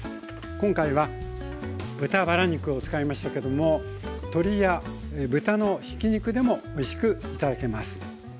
今回は豚バラ肉を使いましたけども鶏や豚のひき肉でもおいしくいただけます。